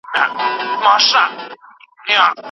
که استاد مخالفت ونه کړي نو موضوع به تایید سي.